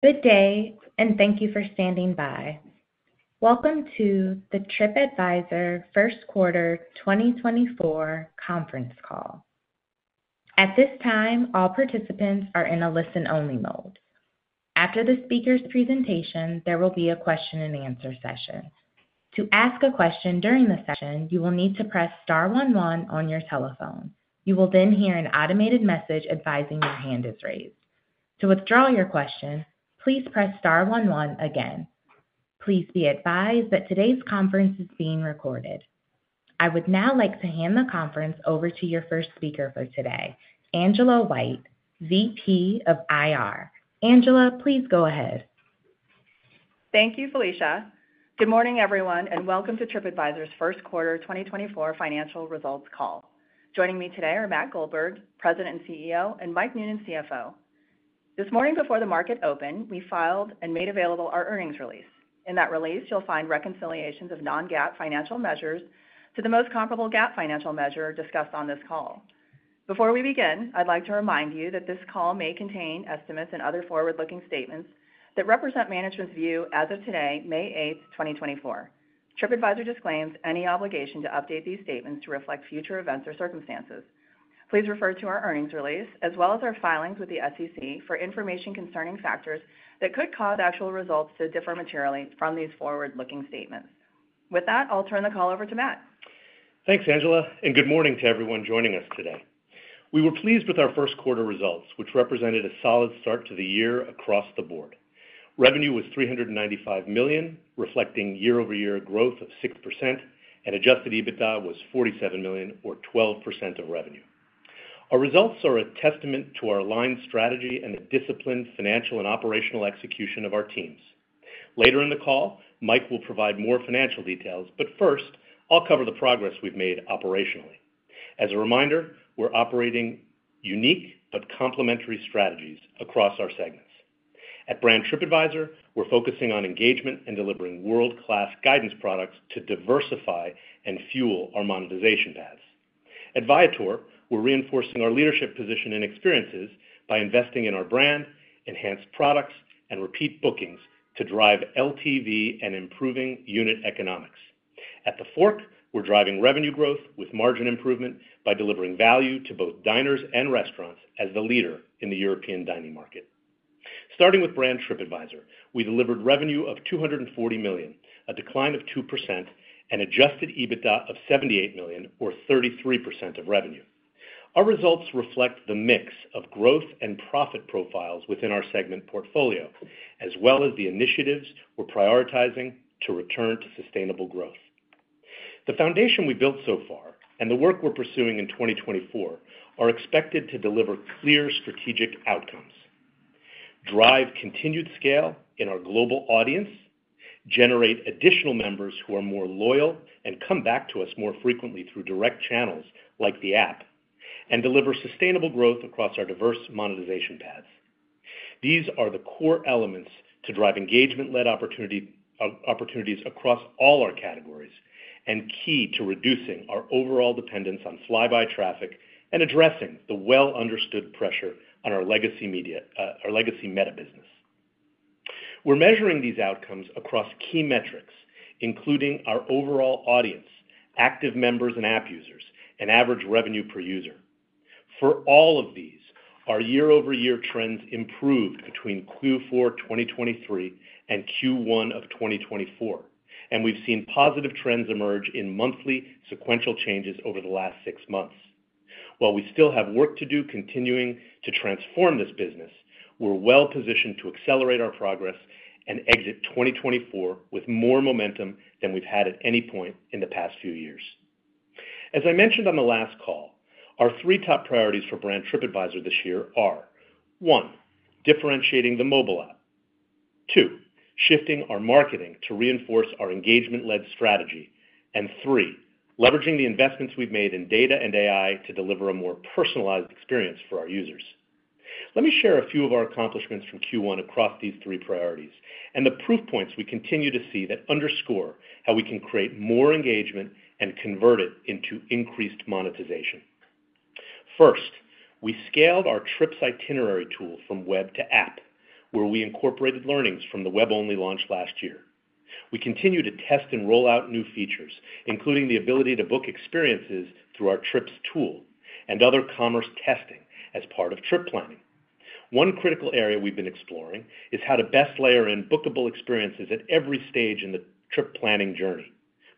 Good day, and thank you for standing by. Welcome to the Tripadvisor Q1 2024 Conference Call. At this time, all participants are in a listen-only mode. After the speaker's presentation, there will be a question-and-answer session. To ask a question during the session, you will need to press star 11 on your telephone. You will then hear an automated message advising your hand is raised. To withdraw your question, please press star 11 again. Please be advised that today's conference is being recorded. I would now like to hand the conference over to your first speaker for today, Angela White, VP of IR. Angela, please go ahead. Thank you, Felicia. Good morning, everyone, and welcome to Tripadvisor's Q1 2024 Financial Results Call. Joining me today are Matt Goldberg, President and CEO, and Mike Noonan, CFO. This morning, before the market opened, we filed and made available our earnings release. In that release, you'll find reconciliations of non-GAAP financial measures to the most comparable GAAP financial measure discussed on this call. Before we begin, I'd like to remind you that this call may contain estimates and other forward-looking statements that represent management's view as of today, May 8, 2024. Tripadvisor disclaims any obligation to update these statements to reflect future events or circumstances. Please refer to our earnings release as well as our filings with the SEC for information concerning factors that could cause actual results to differ materially from these forward-looking statements. With that, I'll turn the call over to Matt. Thanks, Angela, and good morning to everyone joining us today. We were pleased with our Q1 results, which represented a solid start to the year across the board. Revenue was $395 million, reflecting year-over-year growth of 6%, and adjusted EBITDA was $47 million, or 12% of revenue. Our results are a testament to our aligned strategy and the disciplined financial and operational execution of our teams. Later in the call, Mike will provide more financial details, but first, I'll cover the progress we've made operationally. As a reminder, we're operating unique but complementary strategies across our segments. At Brand Tripadvisor, we're focusing on engagement and delivering world-class guidance products to diversify and fuel our monetization paths. At Viator, we're reinforcing our leadership position and experiences by investing in our brand, enhanced products, and repeat bookings to drive LTV and improving unit economics. At TheFork, we're driving revenue growth with margin improvement by delivering value to both diners and restaurants as the leader in the European dining market. Starting with Brand Tripadvisor, we delivered revenue of $240 million, a decline of 2%, and adjusted EBITDA of $78 million, or 33% of revenue. Our results reflect the mix of growth and profit profiles within our segment portfolio, as well as the initiatives we're prioritizing to return to sustainable growth. The foundation we built so far and the work we're pursuing in 2024 are expected to deliver clear strategic outcomes: drive continued scale in our global audience, generate additional members who are more loyal and come back to us more frequently through direct channels like the app, and deliver sustainable growth across our diverse monetization paths. These are the core elements to drive engagement-led opportunities across all our categories and key to reducing our overall dependence on fly-by traffic and addressing the well-understood pressure on our legacy meta business. We're measuring these outcomes across key metrics, including our overall audience, active members and app users, and average revenue per user. For all of these, our year-over-year trends improved between Q4 2023 and Q1 of 2024, and we've seen positive trends emerge in monthly, sequential changes over the last six months. While we still have work to do continuing to transform this business, we're well-positioned to accelerate our progress and exit 2024 with more momentum than we've had at any point in the past few years. As I mentioned on the last call, our three top priorities for Brand Tripadvisor this year are: 1) differentiating the mobile app, 2) shifting our marketing to reinforce our engagement-led strategy, and 3) leveraging the investments we've made in data and AI to deliver a more personalized experience for our users. Let me share a few of our accomplishments from Q1 across these three priorities and the proof points we continue to see that underscore how we can create more engagement and convert it into increased monetization. First, we scaled our Trips itinerary tool from web to app, where we incorporated learnings from the web-only launch last year. We continue to test and roll out new features, including the ability to book experiences through our Trips tool and other commerce testing as part of trip planning. One critical area we've been exploring is how to best layer in bookable experiences at every stage in the trip planning journey.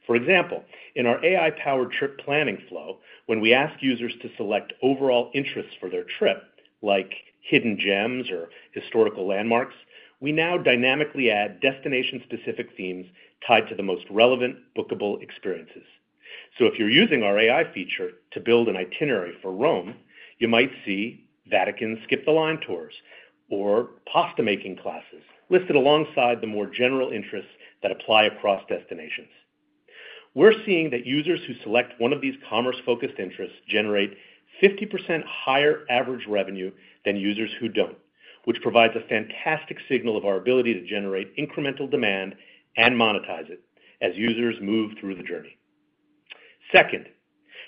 For example, in our AI-powered trip planning flow, when we ask users to select overall interests for their trip, like hidden gems or historical landmarks, we now dynamically add destination-specific themes tied to the most relevant bookable experiences. So if you're using our AI feature to build an itinerary for Rome, you might see Vatican Skip-the-Line Tours or pasta-making classes listed alongside the more general interests that apply across destinations. We're seeing that users who select one of these commerce-focused interests generate 50% higher average revenue than users who don't, which provides a fantastic signal of our ability to generate incremental demand and monetize it as users move through the journey. Second,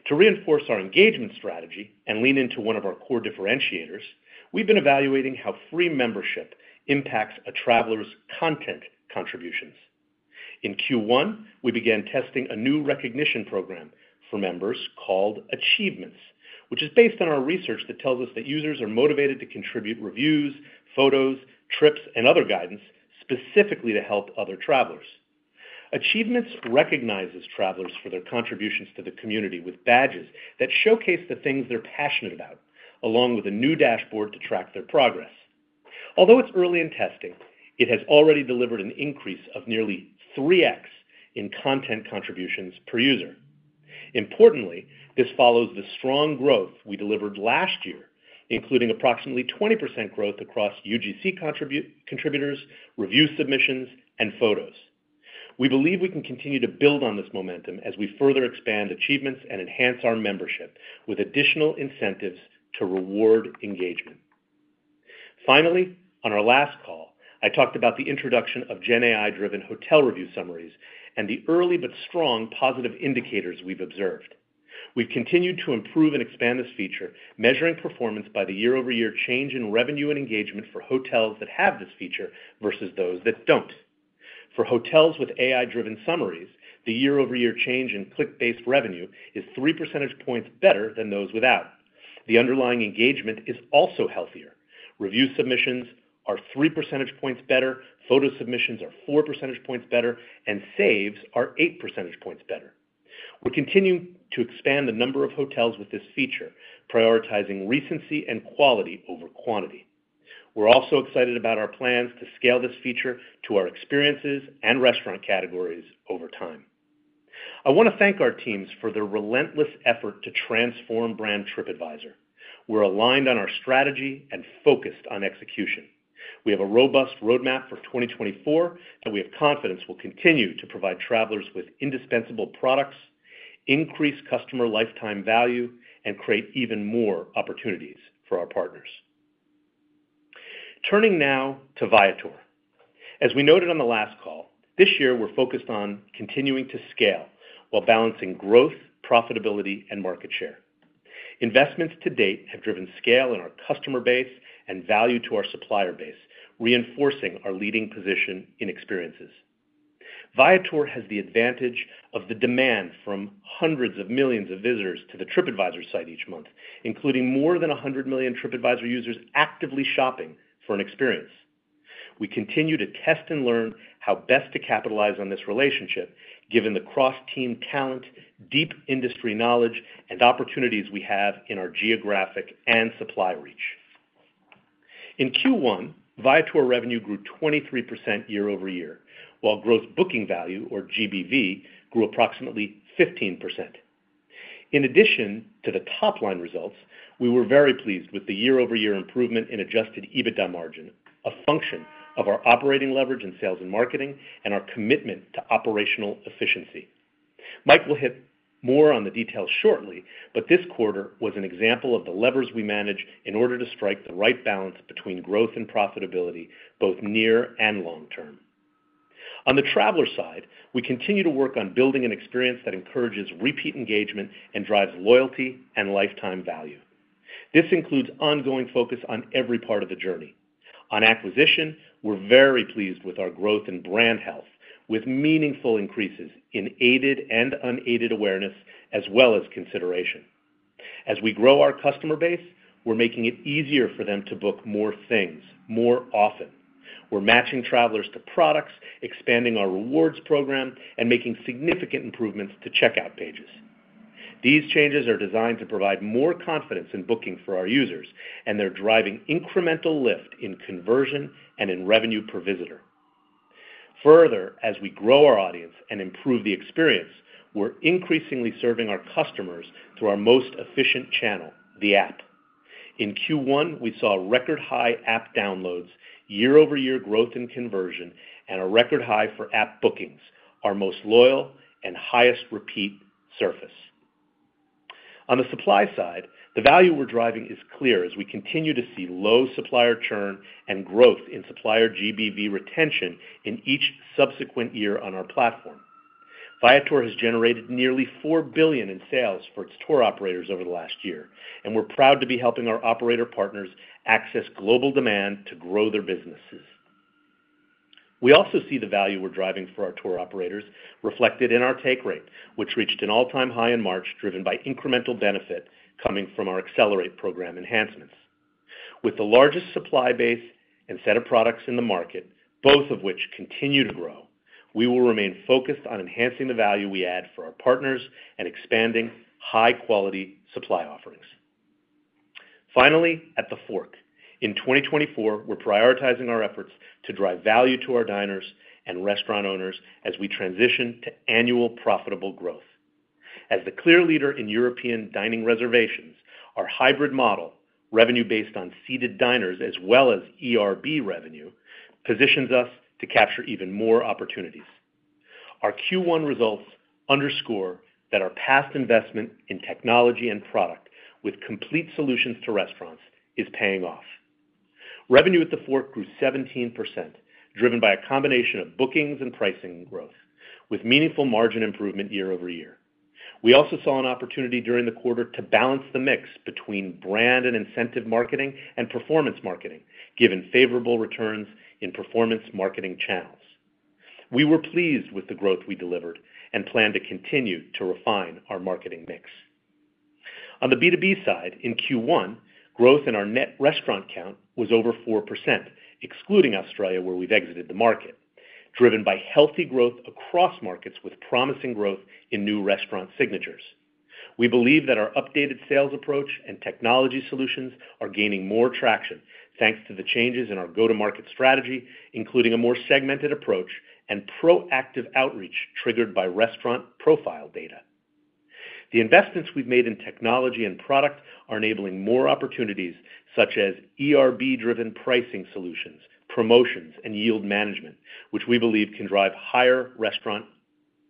to reinforce our engagement strategy and lean into one of our core differentiators, we've been evaluating how free membership impacts a traveler's content contributions. In Q1, we began testing a new recognition program for members called Achievements, which is based on our research that tells us that users are motivated to contribute reviews, photos, trips, and other guidance specifically to help other travelers. Achievements recognizes travelers for their contributions to the community with badges that showcase the things they're passionate about, along with a new dashboard to track their progress. Although it's early in testing, it has already delivered an increase of nearly 3x in content contributions per user. Importantly, this follows the strong growth we delivered last year, including approximately 20% growth across UGC contributors, review submissions, and photos. We believe we can continue to build on this momentum as we further expand Achievements and enhance our membership with additional incentives to reward engagement. Finally, on our last call, I talked about the introduction of GenAI-driven hotel review summaries and the early but strong positive indicators we've observed. We've continued to improve and expand this feature, measuring performance by the year-over-year change in revenue and engagement for hotels that have this feature versus those that don't. For hotels with AI-driven summaries, the year-over-year change in click-based revenue is 3 percentage points better than those without. The underlying engagement is also healthier: review submissions are 3 percentage points better, photo submissions are 4 percentage points better, and saves are 8 percentage points better. We're continuing to expand the number of hotels with this feature, prioritizing recency and quality over quantity. We're also excited about our plans to scale this feature to our experiences and restaurant categories over time. I want to thank our teams for their relentless effort to transform Brand Tripadvisor. We're aligned on our strategy and focused on execution. We have a robust roadmap for 2024, and we have confidence we'll continue to provide travelers with indispensable products, increase customer lifetime value, and create even more opportunities for our partners. Turning now to Viator. As we noted on the last call, this year we're focused on continuing to scale while balancing growth, profitability, and market share. Investments to date have driven scale in our customer base and value to our supplier base, reinforcing our leading position in experiences. Viator has the advantage of the demand from hundreds of millions of visitors to the Tripadvisor site each month, including more than 100 million Tripadvisor users actively shopping for an experience. We continue to test and learn how best to capitalize on this relationship, given the cross-team talent, deep industry knowledge, and opportunities we have in our geographic and supply reach. In Q1, Viator revenue grew 23% year-over-year, while gross booking value, or GBV, grew approximately 15%. In addition to the top-line results, we were very pleased with the year-over-year improvement in Adjusted EBITDA margin, a function of our operating leverage in sales and marketing and our commitment to operational efficiency. Mike will hit more on the details shortly, but this quarter was an example of the levers we manage in order to strike the right balance between growth and profitability both near and long term. On the traveler side, we continue to work on building an experience that encourages repeat engagement and drives loyalty and lifetime value. This includes ongoing focus on every part of the journey. On acquisition, we're very pleased with our growth in brand health, with meaningful increases in aided and unaided awareness as well as consideration. As we grow our customer base, we're making it easier for them to book more things, more often. We're matching travelers to products, expanding our rewards program, and making significant improvements to checkout pages. These changes are designed to provide more confidence in booking for our users, and they're driving incremental lift in conversion and in revenue per visitor. Further, as we grow our audience and improve the experience, we're increasingly serving our customers through our most efficient channel, the app. In Q1, we saw record-high app downloads, year-over-year growth in conversion, and a record high for app bookings, our most loyal and highest repeat surface. On the supply side, the value we're driving is clear as we continue to see low supplier churn and growth in supplier GBV retention in each subsequent year on our platform. Viator has generated nearly $4 billion in sales for its tour operators over the last year, and we're proud to be helping our operator partners access global demand to grow their businesses. We also see the value we're driving for our tour operators reflected in our take rate, which reached an all-time high in March, driven by incremental benefit coming from our Accelerate program enhancements. With the largest supply base and set of products in the market, both of which continue to grow, we will remain focused on enhancing the value we add for our partners and expanding high-quality supply offerings. Finally, at TheFork, in 2024, we're prioritizing our efforts to drive value to our diners and restaurant owners as we transition to annual profitable growth. As the clear leader in European dining reservations, our hybrid model, revenue-based on seated diners as well as ERB revenue, positions us to capture even more opportunities. Our Q1 results underscore that our past investment in technology and product with complete solutions to restaurants is paying off. Revenue at TheFork grew 17%, driven by a combination of bookings and pricing growth, with meaningful margin improvement year-over-year. We also saw an opportunity during the quarter to balance the mix between brand and incentive marketing and performance marketing, given favorable returns in performance marketing channels. We were pleased with the growth we delivered and plan to continue to refine our marketing mix. On the B2B side, in Q1, growth in our net restaurant count was over 4%, excluding Australia where we've exited the market, driven by healthy growth across markets with promising growth in new restaurant signatures. We believe that our updated sales approach and technology solutions are gaining more traction thanks to the changes in our go-to-market strategy, including a more segmented approach and proactive outreach triggered by restaurant profile data. The investments we've made in technology and product are enabling more opportunities such as ERB-driven pricing solutions, promotions, and yield management, which we believe can drive higher restaurant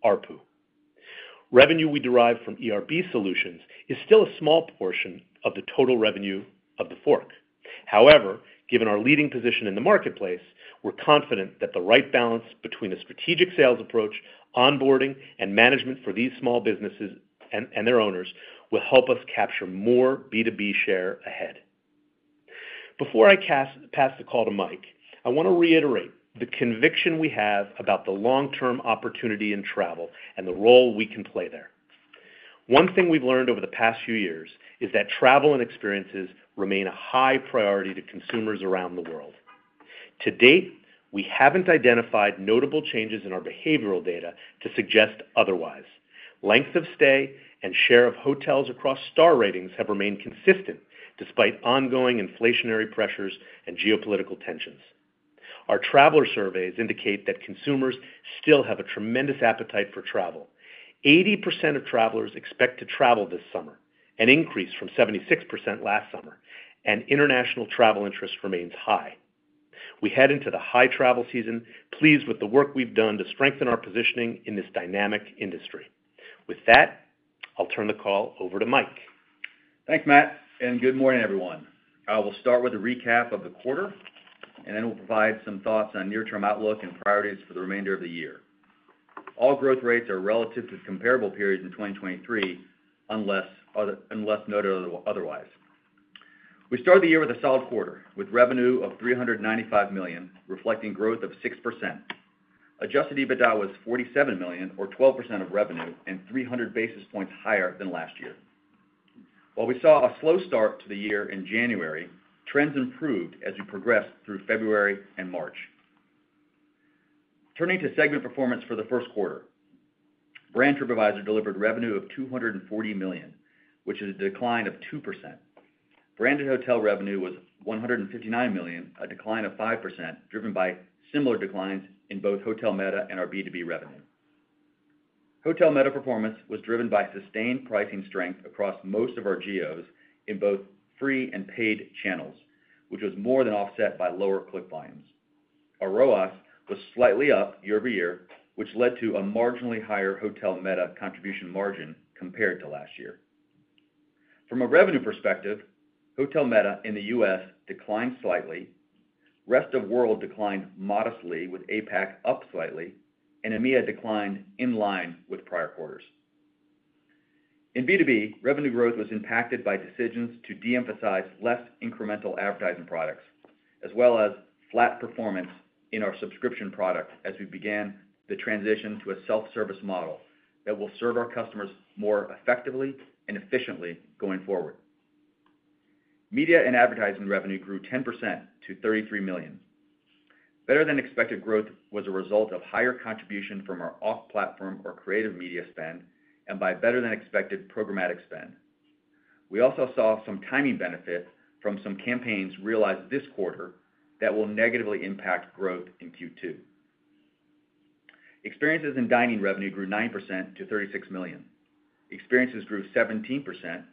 RPU. Revenue we derive from ERB solutions is still a small portion of the total revenue of TheFork. However, given our leading position in the marketplace, we're confident that the right balance between a strategic sales approach, onboarding, and management for these small businesses and their owners will help us capture more B2B share ahead. Before I pass the call to Mike, I want to reiterate the conviction we have about the long-term opportunity in travel and the role we can play there. One thing we've learned over the past few years is that travel and experiences remain a high priority to consumers around the world. To date, we haven't identified notable changes in our behavioral data to suggest otherwise. Length of stay and share of hotels across star ratings have remained consistent despite ongoing inflationary pressures and geopolitical tensions. Our traveler surveys indicate that consumers still have a tremendous appetite for travel: 80% of travelers expect to travel this summer, an increase from 76% last summer, and international travel interest remains high. We head into the high travel season, pleased with the work we've done to strengthen our positioning in this dynamic industry. With that, I'll turn the call over to Mike. Thanks, Matt, and good morning, everyone. I will start with a recap of the quarter, and then we'll provide some thoughts on near-term outlook and priorities for the remainder of the year. All growth rates are relative to comparable periods in 2023, unless noted otherwise. We started the year with a solid quarter, with revenue of $395 million, reflecting growth of 6%. Adjusted EBITDA was $47 million, or 12% of revenue, and 300 basis points higher than last year. While we saw a slow start to the year in January, trends improved as we progressed through February and March. Turning to segment performance for the Q1, Brand Tripadvisor delivered revenue of $240 million, which is a decline of 2%. Branded hotel revenue was $159 million, a decline of 5%, driven by similar declines in both hotel meta and our B2B revenue. Hotel meta performance was driven by sustained pricing strength across most of our geos in both free and paid channels, which was more than offset by lower click volumes. Our ROAS was slightly up year-over-year, which led to a marginally higher hotel meta contribution margin compared to last year. From a revenue perspective, hotel meta in the US declined slightly, rest of world declined modestly with APAC up slightly, and EMEA declined in line with prior quarters. In B2B, revenue growth was impacted by decisions to deemphasize less incremental advertising products, as well as flat performance in our subscription product as we began the transition to a self-service model that will serve our customers more effectively and efficiently going forward. Media and advertising revenue grew 10% to $33 million. Better-than-expected growth was a result of higher contribution from our off-platform or creative media spend and by better-than-expected programmatic spend. We also saw some timing benefit from some campaigns realized this quarter that will negatively impact growth in Q2. Experiences and dining revenue grew 9% to $36 million. Experiences grew 17%,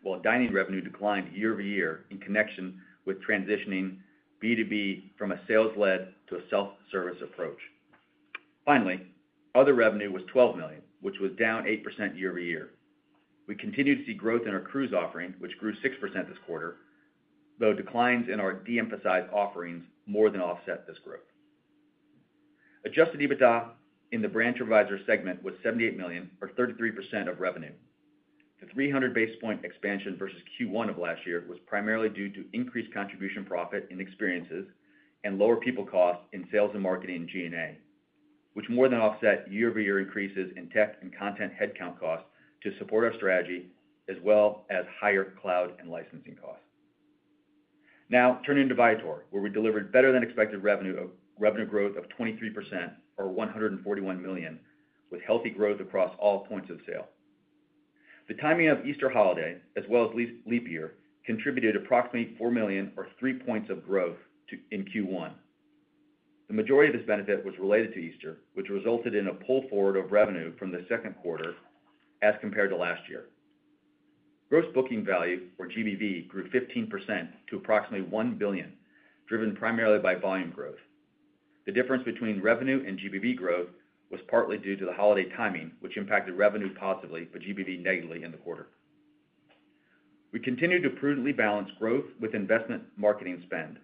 while dining revenue declined year-over-year in connection with transitioning B2B from a sales-led to a self-service approach. Finally, other revenue was $12 million, which was down 8% year-over-year. We continue to see growth in our cruise offering, which grew 6% this quarter, though declines in our deemphasized offerings more than offset this growth. Adjusted EBITDA in the Brand Tripadvisor segment was $78 million, or 33% of revenue. The 300-basis-point expansion versus Q1 of last year was primarily due to increased contribution profit in experiences and lower people cost in sales and marketing and G&A, which more than offset year-over-year increases in tech and content headcount costs to support our strategy, as well as higher cloud and licensing costs. Now, turning to Viator, where we delivered better-than-expected revenue growth of 23%, or $141 million, with healthy growth across all points of sale. The timing of Easter holiday, as well as leap year, contributed approximately $4 million, or 3 points of growth, in Q1. The majority of this benefit was related to Easter, which resulted in a pull forward of revenue from the Q2 as compared to last year. Gross booking value, or GBV, grew 15% to approximately $1 billion, driven primarily by volume growth. The difference between revenue and GBV growth was partly due to the holiday timing, which impacted revenue positively but GBV negatively in the quarter. We continue to prudently balance growth with investment marketing spend.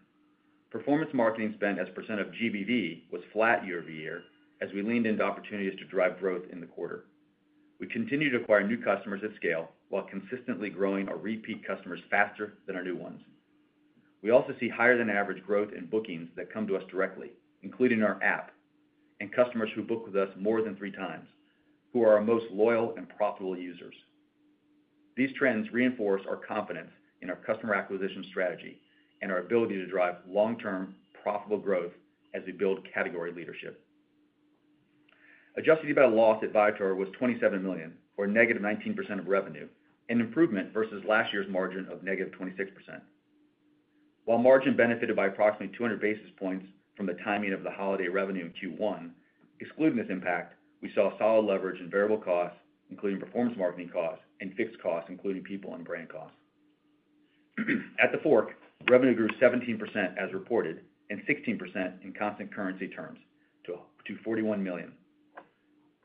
Performance marketing spend as percent of GBV was flat year-over-year as we leaned into opportunities to drive growth in the quarter. We continue to acquire new customers at scale while consistently growing our repeat customers faster than our new ones. We also see higher-than-average growth in bookings that come to us directly, including our app, and customers who book with us more than three times, who are our most loyal and profitable users. These trends reinforce our confidence in our customer acquisition strategy and our ability to drive long-term profitable growth as we build category leadership. Adjusted EBITDA loss at Viator was $27 million, or negative 19% of revenue, an improvement versus last year's margin of negative 26%. While margin benefited by approximately 200 basis points from the timing of the holiday revenue in Q1, excluding this impact, we saw solid leverage and variable costs, including performance marketing costs, and fixed costs, including people and brand costs. At TheFork, revenue grew 17% as reported and 16% in constant currency terms to $41 million.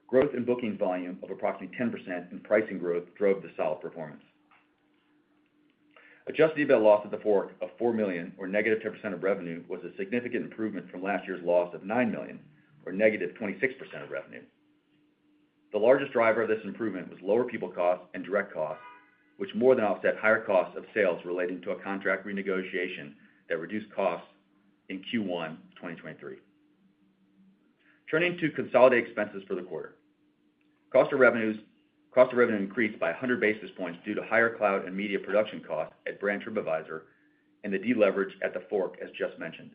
Growth in bookings volume of approximately 10% and pricing growth drove the solid performance. Adjusted EBITDA loss at TheFork of $4 million, or negative 10% of revenue, was a significant improvement from last year's loss of $9 million, or negative 26% of revenue. The largest driver of this improvement was lower people costs and direct costs, which more than offset higher costs of sales relating to a contract renegotiation that reduced costs in Q1 of 2023. Turning to consolidated expenses for the quarter, cost of revenue increased by 100 basis points due to higher cloud and media production costs at Brand Tripadvisor and the de-leverage at TheFork, as just mentioned.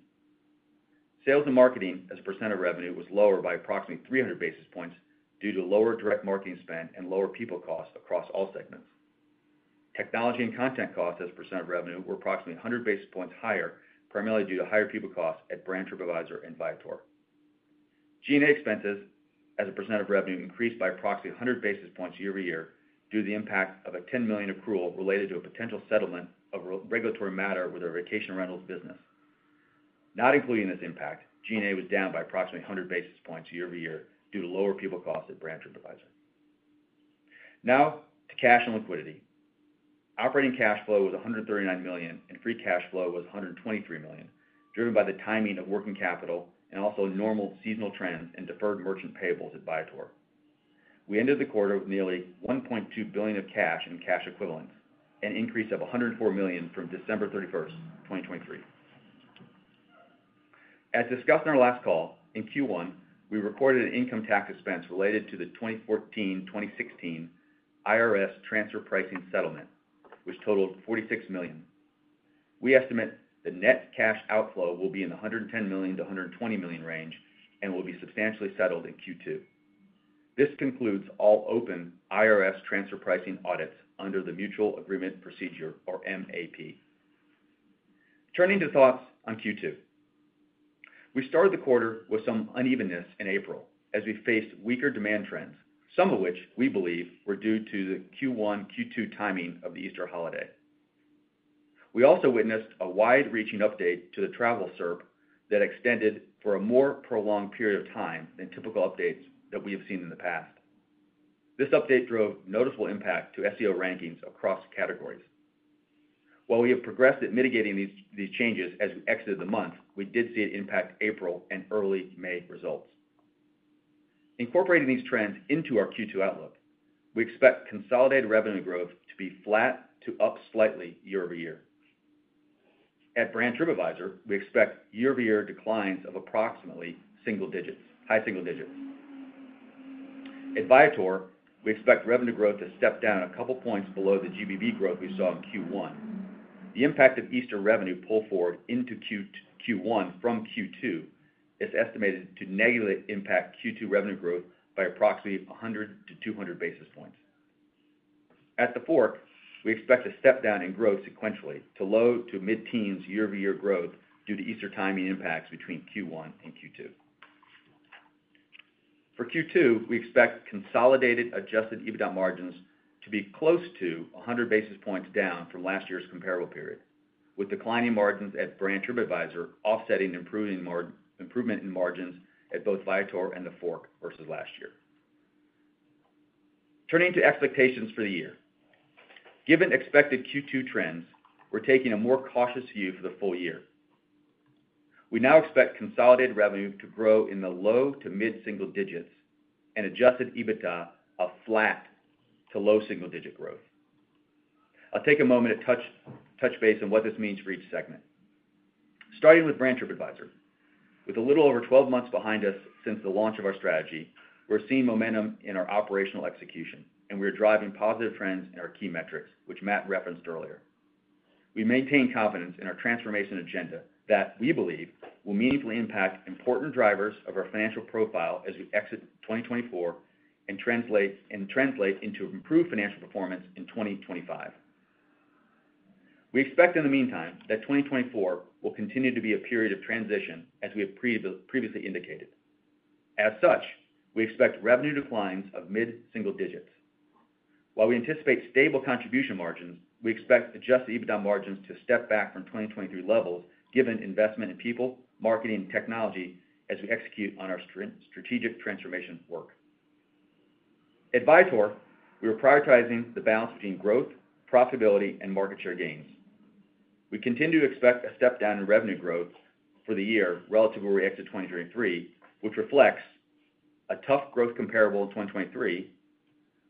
Sales and marketing as percent of revenue was lower by approximately 300 basis points due to lower direct marketing spend and lower people costs across all segments. Technology and content costs as percent of revenue were approximately 100 basis points higher, primarily due to higher people costs at Brand Tripadvisor and Viator. G&A expenses as a percent of revenue increased by approximately 100 basis points year-over-year due to the impact of a $10 million accrual related to a potential settlement of regulatory matter with our vacation rentals business. Not including this impact, G&A was down by approximately 100 basis points year-over-year due to lower people costs at Brand Tripadvisor. Now, to cash and liquidity. Operating cash flow was $139 million, and free cash flow was $123 million, driven by the timing of working capital and also normal seasonal trends and deferred merchant payables at Viator. We ended the quarter with nearly $1.2 billion of cash and cash equivalents, an increase of $104 million from December 31st, 2023. As discussed on our last call, in Q1, we recorded an income tax expense related to the 2014-2016 IRS transfer pricing settlement, which totaled $46 million. We estimate the net cash outflow will be in the $110 million-$120 million range and will be substantially settled in Q2. This concludes all open IRS transfer pricing audits under the Mutual Agreement Procedure, or MAP. Turning to thoughts on Q2. We started the quarter with some unevenness in April as we faced weaker demand trends, some of which we believe were due to the Q1, Q2 timing of the Easter holiday. We also witnessed a wide-reaching update to the travel SERP that extended for a more prolonged period of time than typical updates that we have seen in the past. This update drove noticeable impact to SEO rankings across categories. While we have progressed at mitigating these changes as we exited the month, we did see it impact April and early May results. Incorporating these trends into our Q2 outlook, we expect consolidated revenue growth to be flat to up slightly year-over-year. At Brand Tripadvisor, we expect year-over-year declines of approximately high single digits. At Viator, we expect revenue growth to step down a couple points below the GBV growth we saw in Q1. The impact of Easter revenue pull forward into Q1 from Q2 is estimated to negatively impact Q2 revenue growth by approximately 100-200 basis points. At TheFork, we expect a step down in growth sequentially to low to mid-teens year-over-year growth due to Easter timing impacts between Q1 and Q2. For Q2, we expect consolidated Adjusted EBITDA margins to be close to 100 basis points down from last year's comparable period, with declining margins at Brand Tripadvisor offsetting improvement in margins at both Viator and TheFork versus last year. Turning to expectations for the year. Given expected Q2 trends, we're taking a more cautious view for the full year. We now expect consolidated revenue to grow in the low to mid-single digits and adjusted EBITDA of flat to low single digit growth. I'll take a moment to touch base on what this means for each segment. Starting with Brand Tripadvisor, with a little over 12 months behind us since the launch of our strategy, we're seeing momentum in our operational execution, and we are driving positive trends in our key metrics, which Matt referenced earlier. We maintain confidence in our transformation agenda that, we believe, will meaningfully impact important drivers of our financial profile as we exit 2024 and translate into improved financial performance in 2025. We expect, in the meantime, that 2024 will continue to be a period of transition as we have previously indicated. As such, we expect revenue declines of mid-single digits. While we anticipate stable contribution margins, we expect Adjusted EBITDA margins to step back from 2023 levels given investment in people, marketing, and technology as we execute on our strategic transformation work. At Viator, we are prioritizing the balance between growth, profitability, and market share gains. We continue to expect a step down in revenue growth for the year relative to where we exit 2023, which reflects a tough growth comparable in 2023,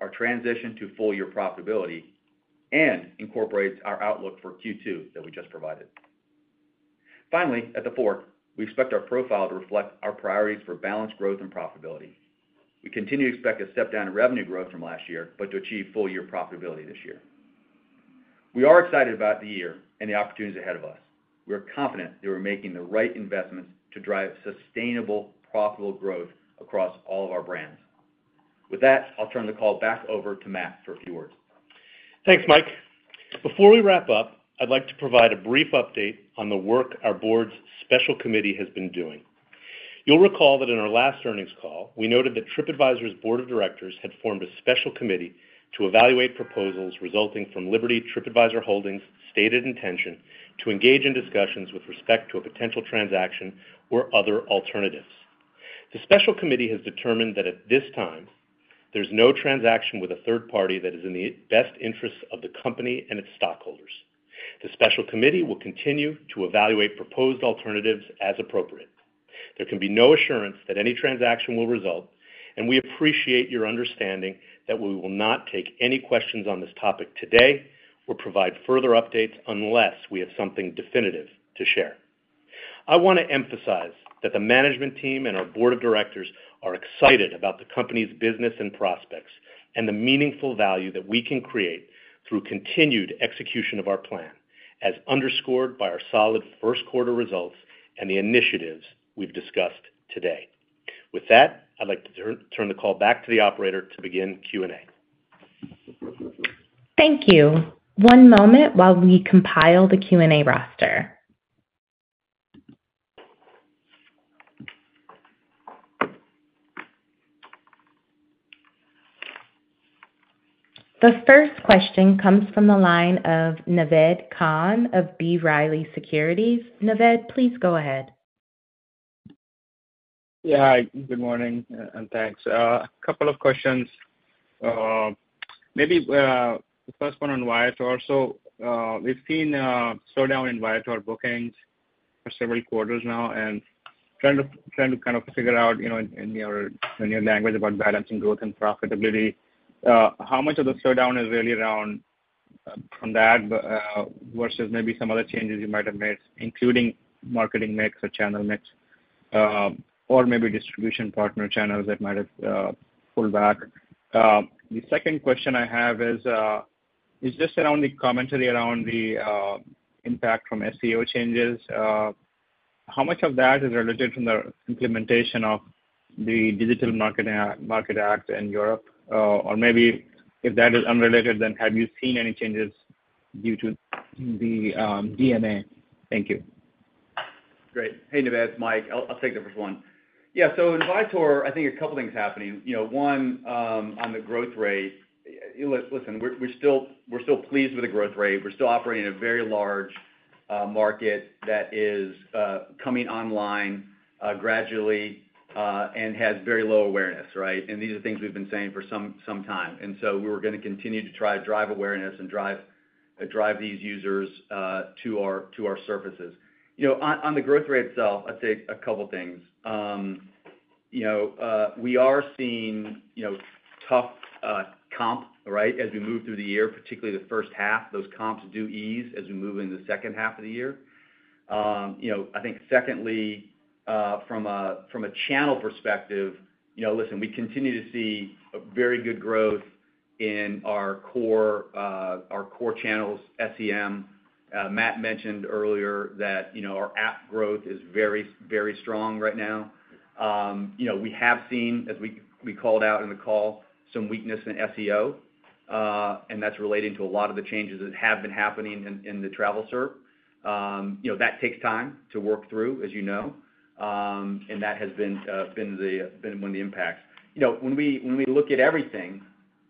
our transition to full-year profitability, and incorporates our outlook for Q2 that we just provided. Finally, at TheFork, we expect our profile to reflect our priorities for balanced growth and profitability. We continue to expect a step down in revenue growth from last year but to achieve full-year profitability this year. We are excited about the year and the opportunities ahead of us. We are confident that we're making the right investments to drive sustainable, profitable growth across all of our brands. With that, I'll turn the call back over to Matt for a few words. Thanks, Mike. Before we wrap up, I'd like to provide a brief update on the work our board's special committee has been doing. You'll recall that in our last earnings call, we noted that Tripadvisor's board of directors had formed a special committee to evaluate proposals resulting from Liberty TripAdvisor Holdings stated intention to engage in discussions with respect to a potential transaction or other alternatives. The special committee has determined that at this time, there's no transaction with a third party that is in the best interests of the company and its stockholders. The special committee will continue to evaluate proposed alternatives as appropriate. There can be no assurance that any transaction will result, and we appreciate your understanding that we will not take any questions on this topic today or provide further updates unless we have something definitive to share. I want to emphasize that the management team and our board of directors are excited about the company's business and prospects and the meaningful value that we can create through continued execution of our plan, as underscored by our solid Q1 results and the initiatives we've discussed today. With that, I'd like to turn the call back to the operator to begin Q&A. Thank you. One moment while we compile the Q&A roster. The first question comes from the line of Naved Khan of B. Riley Securities. Naved, please go ahead. Yeah. Good morning and thanks. A couple of questions. Maybe the first one on Viator. So we've seen a slowdown in Viator bookings for several quarters now and trying to kind of figure out, in your language, about balancing growth and profitability. How much of the slowdown is really around from that versus maybe some other changes you might have made, including marketing mix or channel mix or maybe distribution partner channels that might have pulled back? The second question I have is just around the commentary around the impact from SEO changes. How much of that is related from the implementation of the Digital Markets Act in Europe? Or maybe if that is unrelated, then have you seen any changes due to the DMA? Thank you. Great. Hey, Naved. Mike, I'll take the first one. Yeah. So in Viator, I think a couple of things happening. One, on the growth rate. Listen, we're still pleased with the growth rate. We're still operating in a very large market that is coming online gradually and has very low awareness, right? And these are things we've been saying for some time. And so we were going to continue to try to drive awareness and drive these users to our surfaces. On the growth rate itself, I'd say a couple of things. We are seeing tough comp, right, as we move through the year, particularly the first half. Those comps do ease as we move into the second half of the year. I think, secondly, from a channel perspective, listen, we continue to see very good growth in our core channels, SEM. Matt mentioned earlier that our app growth is very, very strong right now. We have seen, as we called out in the call, some weakness in SEO, and that's relating to a lot of the changes that have been happening in the travel SERP. That takes time to work through, as you know, and that has been one of the impacts. When we look at everything,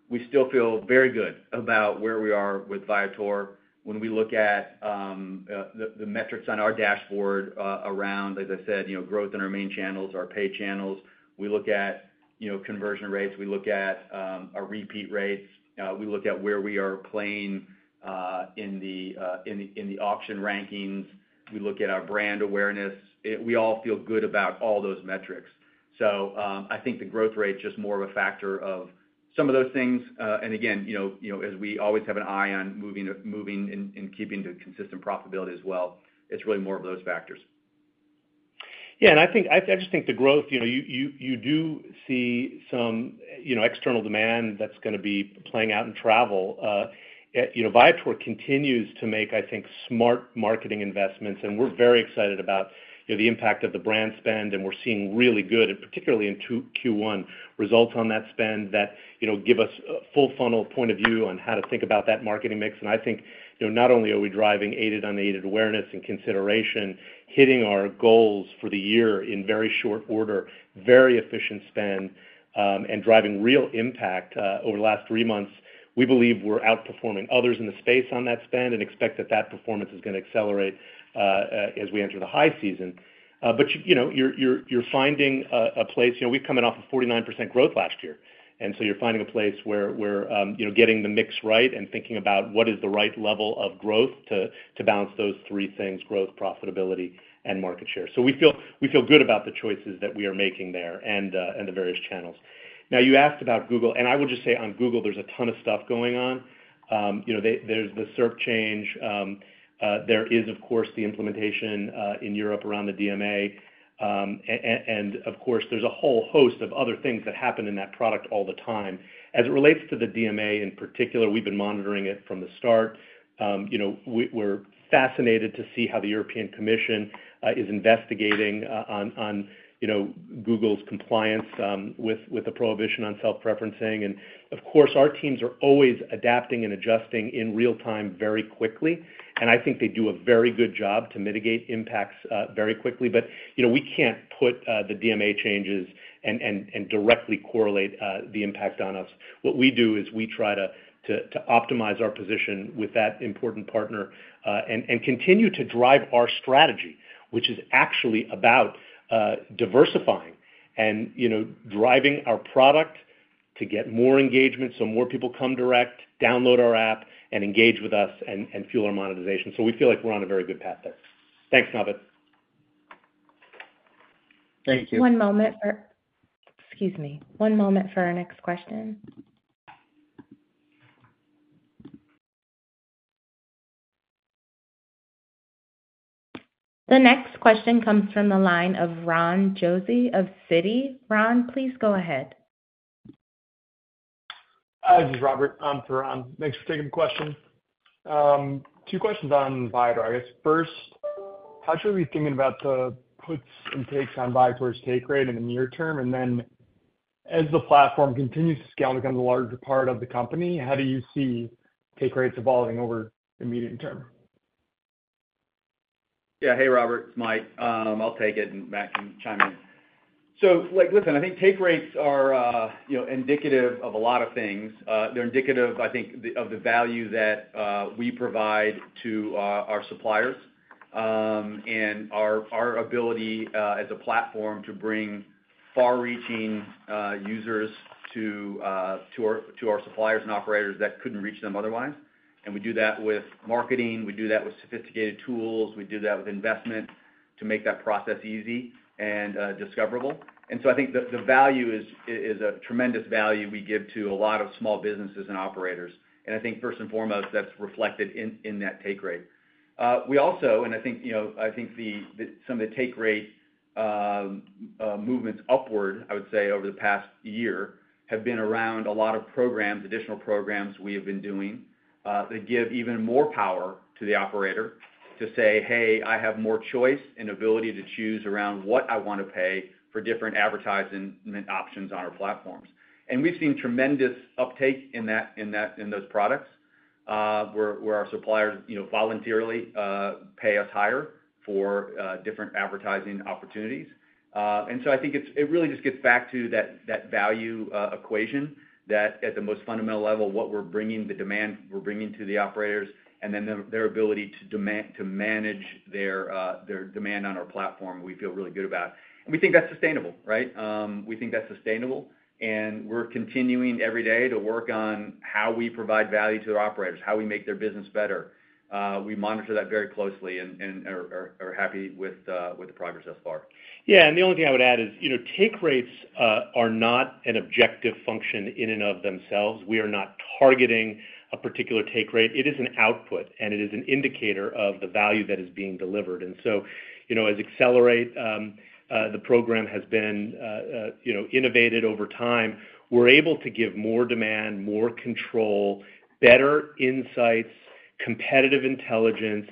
we still feel very good about where we are with Viator. When we look at the metrics on our dashboard around, as I said, growth in our main channels, our pay channels, we look at conversion rates, we look at our repeat rates, we look at where we are playing in the auction rankings, we look at our brand awareness. We all feel good about all those metrics. I think the growth rate is just more of a factor of some of those things. Again, as we always have an eye on moving and keeping to consistent profitability as well, it's really more of those factors. Yeah. And I just think the growth, you do see some external demand that's going to be playing out in travel. Viator continues to make, I think, smart marketing investments, and we're very excited about the impact of the brand spend, and we're seeing really good, particularly in Q1, results on that spend that give us a full-funnel point of view on how to think about that marketing mix. And I think not only are we driving aided-unaided awareness and consideration, hitting our goals for the year in very short order, very efficient spend, and driving real impact over the last three months, we believe we're outperforming others in the space on that spend and expect that that performance is going to accelerate as we enter the high season. But you're finding a place we've come in off of 49% growth last year, and so you're finding a place where getting the mix right and thinking about what is the right level of growth to balance those three things: growth, profitability, and market share. So we feel good about the choices that we are making there and the various channels. Now, you asked about Google, and I will just say, on Google, there's a ton of stuff going on. There's the SERP change. There is, of course, the implementation in Europe around the DMA. And of course, there's a whole host of other things that happen in that product all the time. As it relates to the DMA in particular, we've been monitoring it from the start. We're fascinated to see how the European Commission is investigating on Google's compliance with the prohibition on self-preferencing. Of course, our teams are always adapting and adjusting in real time very quickly, and I think they do a very good job to mitigate impacts very quickly. We can't put the DMA changes and directly correlate the impact on us. What we do is we try to optimize our position with that important partner and continue to drive our strategy, which is actually about diversifying and driving our product to get more engagement so more people come direct, download our app, and engage with us and fuel our monetization. We feel like we're on a very good path there. Thanks, Naved. Thank you. One moment, please. Excuse me. One moment for our next question. The next question comes from the line of Ron Josey of Citi. Ron, please go ahead. Hi, this is Robert. I'm for Ron. Thanks for taking the question. Two questions on Viator, I guess. First, how should we be thinking about the puts and takes on Viator's take rate in the near term? And then, as the platform continues to scale and becomes a larger part of the company, how do you see take rates evolving over the medium term? Yeah. Hey, Robert. It's Mike. I'll take it, and Matt can chime in. So listen, I think take rates are indicative of a lot of things. They're indicative, I think, of the value that we provide to our suppliers and our ability as a platform to bring far-reaching users to our suppliers and operators that couldn't reach them otherwise. And we do that with marketing. We do that with sophisticated tools. We do that with investment to make that process easy and discoverable. And so I think the value is a tremendous value we give to a lot of small businesses and operators. And I think, first and foremost, that's reflected in that take rate. We also, and I think some of the take rate movements upward, I would say, over the past year have been around a lot of programs, additional programs we have been doing that give even more power to the operator to say, "Hey, I have more choice and ability to choose around what I want to pay for different advertisement options on our platforms." And we've seen tremendous uptake in those products where our suppliers voluntarily pay us higher for different advertising opportunities. And so I think it really just gets back to that value equation that, at the most fundamental level, what we're bringing, the demand we're bringing to the operators, and then their ability to manage their demand on our platform, we feel really good about. And we think that's sustainable, right? We think that's sustainable. We're continuing every day to work on how we provide value to our operators, how we make their business better. We monitor that very closely and are happy with the progress thus far. Yeah. The only thing I would add is take rates are not an objective function in and of themselves. We are not targeting a particular take rate. It is an output, and it is an indicator of the value that is being delivered. So, as Accelerate, the program has been innovated over time, we're able to give more demand, more control, better insights, competitive intelligence,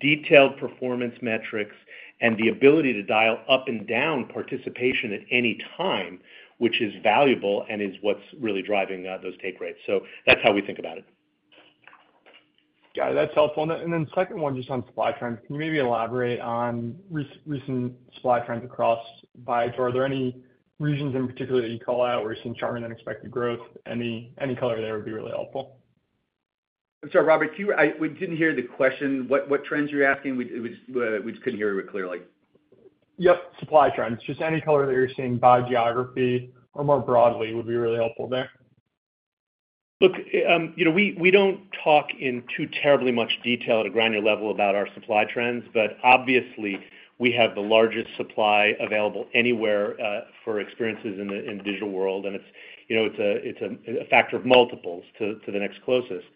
detailed performance metrics, and the ability to dial up and down participation at any time, which is valuable and is what's really driving those take rates. That's how we think about it. Got it. That's helpful. And then second one, just on supply trends, can you maybe elaborate on recent supply trends across Viator? Are there any regions in particular that you call out where you're seeing sharper-than-expected growth? Any color there would be really helpful. I'm sorry, Robert. We didn't hear the question. What trends are you asking? We just couldn't hear you clearly. Yep. Supply trends. Just any color that you're seeing by geography or more broadly would be really helpful there. Look, we don't talk in too terribly much detail at a granular level about our supply trends, but obviously, we have the largest supply available anywhere for experiences in the digital world, and it's a factor of multiples to the next closest.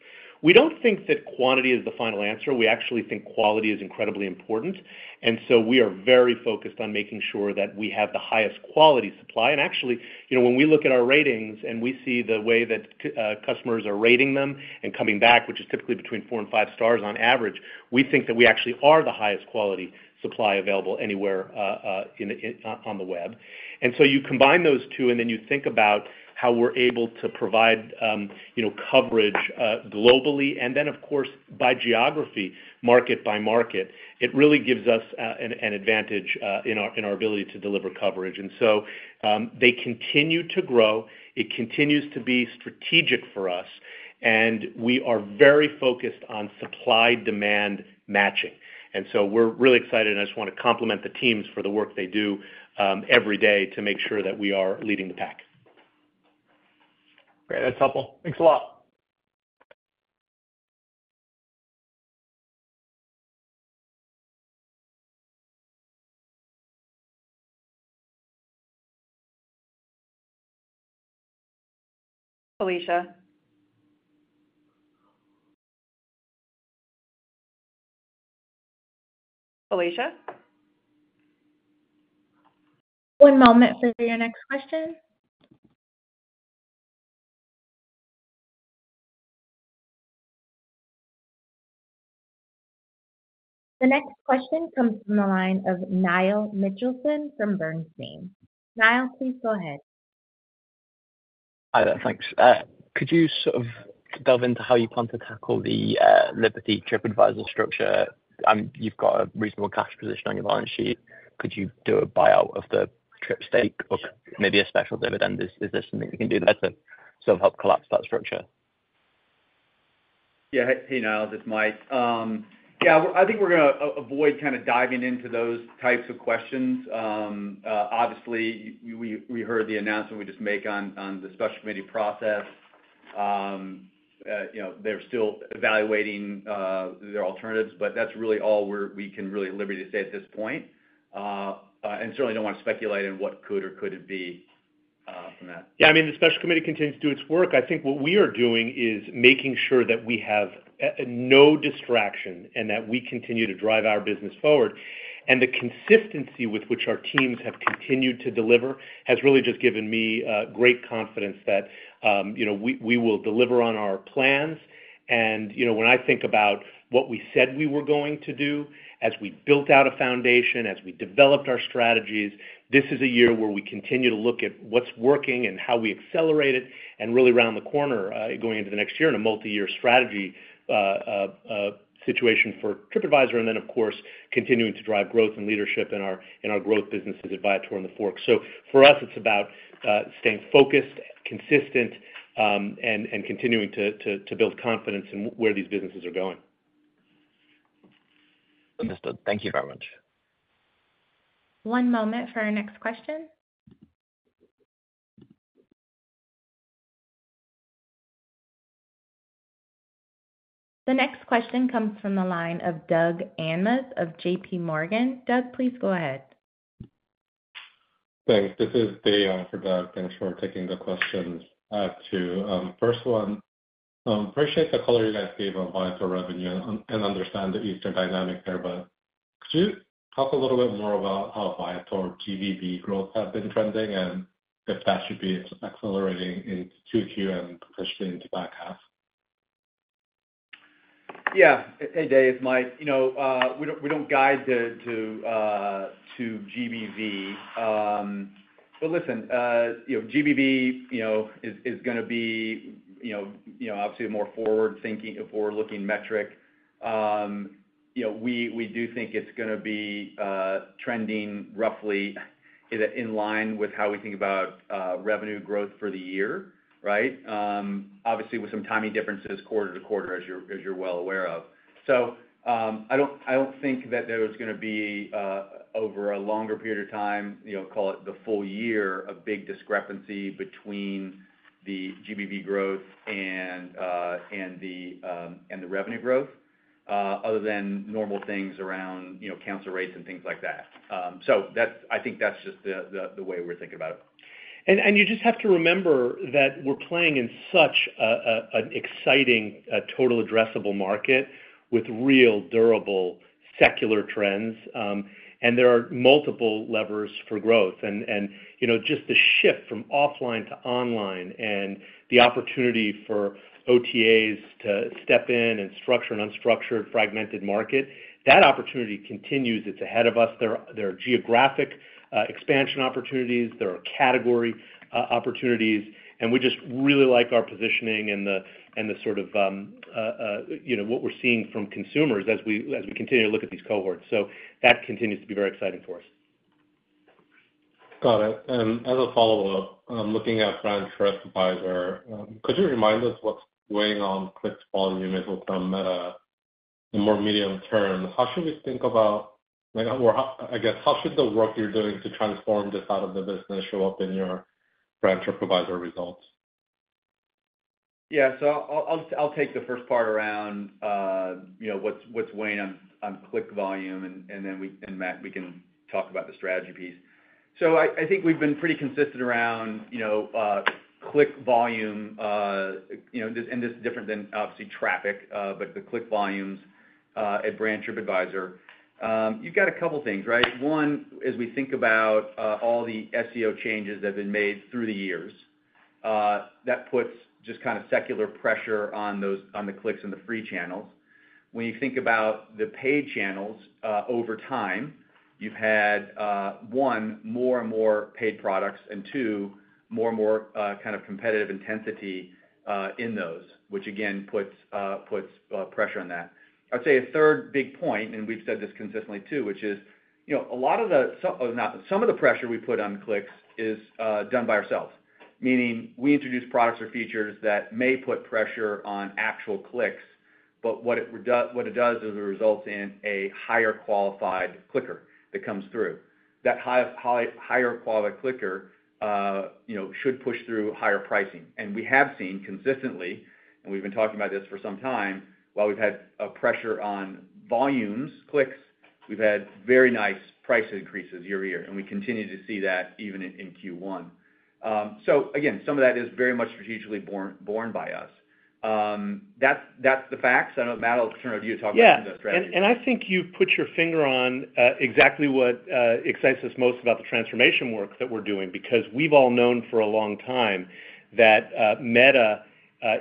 We don't think that quantity is the final answer. We actually think quality is incredibly important. And so we are very focused on making sure that we have the highest quality supply. And actually, when we look at our ratings and we see the way that customers are rating them and coming back, which is typically between 4-5 stars on average, we think that we actually are the highest quality supply available anywhere on the web. And so you combine those two, and then you think about how we're able to provide coverage globally and then, of course, by geography, market by market. It really gives us an advantage in our ability to deliver coverage. And so they continue to grow. It continues to be strategic for us, and we are very focused on supply-demand matching. And so we're really excited, and I just want to compliment the teams for the work they do every day to make sure that we are leading the pack. Great. That's helpful. Thanks a lot. Felicia. Felicia. One moment for your next question. The next question comes from the line of Niall Mitchelson from Bernstein. Niall, please go ahead. Hi, there. Thanks. Could you sort of delve into how you plan to tackle the Liberty TripAdvisor structure? You've got a reasonable cash position on your balance sheet. Could you do a buyout of the Tripadvisor stake or maybe a special dividend? Is there something you can do there to sort of help collapse that structure? Yeah. Hey, Niall. This is Mike. Yeah. I think we're going to avoid kind of diving into those types of questions. Obviously, we heard the announcement we just made on the special committee process. They're still evaluating their alternatives, but that's really all we have liberty to say at this point and certainly don't want to speculate on what could or couldn't be from that. Yeah. I mean, the special committee continues to do its work. I think what we are doing is making sure that we have no distraction and that we continue to drive our business forward. And the consistency with which our teams have continued to deliver has really just given me great confidence that we will deliver on our plans. And when I think about what we said we were going to do as we built out a foundation, as we developed our strategies, this is a year where we continue to look at what's working and how we accelerate it and really round the corner going into the next year in a multi-year strategy situation for Tripadvisor and then, of course, continuing to drive growth and leadership in our growth businesses at Viator and TheFork. So for us, it's about staying focused, consistent, and continuing to build confidence in where these businesses are going. Understood. Thank you very much. One moment for our next question. The next question comes from the line of Doug Anmuth of JPMorgan. Doug, please go ahead. Thanks. This is Dae for Doug. Thanks for taking the questions too. First one, I appreciate the color you guys gave on Viator revenue and understand the seasonal dynamic there, but could you talk a little bit more about how Viator GBV growth has been trending and if that should be accelerating into Q2 and potentially into back half? Yeah. Hey, Dae. It's Mike. We don't guide to GBV. But listen, GBV is going to be obviously a more forward-thinking, forward-looking metric. We do think it's going to be trending roughly in line with how we think about revenue growth for the year, right, obviously with some timing differences quarter to quarter, as you're well aware of. So I don't think that there's going to be over a longer period of time, call it the full year, a big discrepancy between the GBV growth and the revenue growth other than normal things around commission rates and things like that. So I think that's just the way we're thinking about it. And you just have to remember that we're playing in such an exciting total addressable market with real, durable, secular trends, and there are multiple levers for growth. Just the shift from offline to online and the opportunity for OTAs to step in and structure an unstructured, fragmented market, that opportunity continues. It's ahead of us. There are geographic expansion opportunities. There are category opportunities. And we just really like our positioning and the sort of what we're seeing from consumers as we continue to look at these cohorts. So that continues to be very exciting for us. Got it. As a follow-up, looking at Brand Tripadvisor, could you remind us what's weighing on click volume as well as metrics in more medium-term? How should we think about or I guess, how should the work you're doing to transform this out of the business show up in your Brand Tripadvisor results? Yeah. So I'll take the first part around what's weighing on click volume, and then Matt, we can talk about the strategy piece. So I think we've been pretty consistent around click volume, and this is different than, obviously, traffic, but the click volumes at Tripadvisor. You've got a couple of things, right? One, as we think about all the SEO changes that have been made through the years, that puts just kind of secular pressure on the clicks and the free channels. When you think about the paid channels over time, you've had, one, more and more paid products and, two, more and more kind of competitive intensity in those, which, again, puts pressure on that. I would say a third big point, and we've said this consistently too, which is a lot of the pressure we put on clicks is done by ourselves, meaning we introduce products or features that may put pressure on actual clicks, but what it does is it results in a higher-qualified clicker that comes through. That higher-qualified clicker should push through higher pricing. And we have seen consistently, and we've been talking about this for some time, while we've had pressure on volumes, clicks, we've had very nice price increases year-over-year, and we continue to see that even in Q1. So again, some of that is very much strategically borne by us. That's the facts. I don't know if, Matt, I'll turn it over to you to talk about some of those strategies. Yeah. And I think you put your finger on exactly what excites us most about the transformation work that we're doing because we've all known for a long time that meta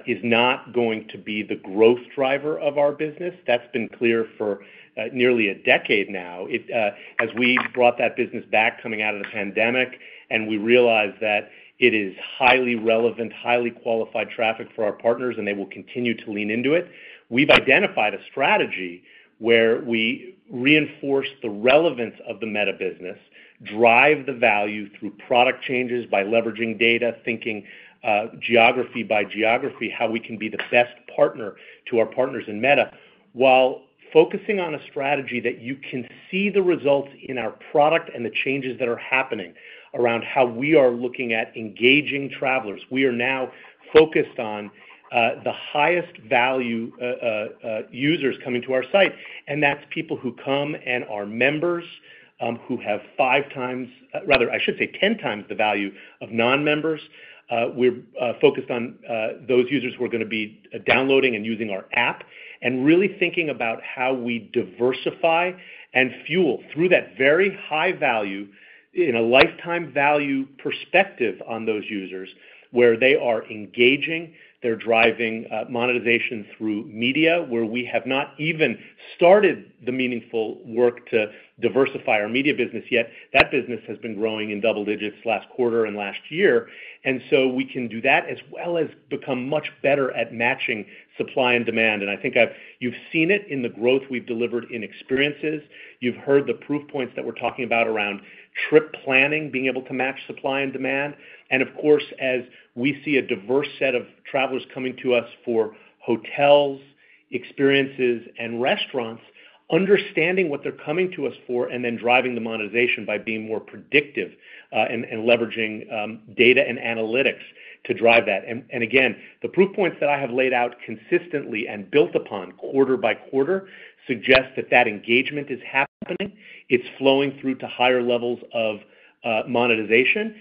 is not going to be the growth driver of our business. That's been clear for nearly a decade now. As we brought that business back coming out of the pandemic and we realized that it is highly relevant, highly qualified traffic for our partners, and they will continue to lean into it, we've identified a strategy where we reinforce the relevance of the meta business, drive the value through product changes by leveraging data, thinking geography by geography, how we can be the best partner to our partners in meta while focusing on a strategy that you can see the results in our product and the changes that are happening around how we are looking at engaging travelers. We are now focused on the highest-value users coming to our site, and that's people who come and are members who have 5 times rather, I should say 10 times the value of non-members. We're focused on those users who are going to be downloading and using our app and really thinking about how we diversify and fuel through that very high value in a lifetime value perspective on those users where they are engaging, they're driving monetization through media where we have not even started the meaningful work to diversify our media business yet. That business has been growing in double digits last quarter and last year. And so we can do that as well as become much better at matching supply and demand. And I think you've seen it in the growth we've delivered in experiences. You've heard the proof points that we're talking about around trip planning, being able to match supply and demand. Of course, as we see a diverse set of travelers coming to us for hotels, experiences, and restaurants, understanding what they're coming to us for and then driving the monetization by being more predictive and leveraging data and analytics to drive that. Again, the proof points that I have laid out consistently and built upon quarter by quarter suggest that that engagement is happening. It's flowing through to higher levels of monetization.